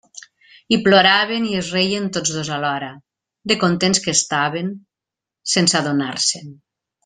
I ploraven i es reien tots dos alhora, de contents que estaven, sense adonar-se'n.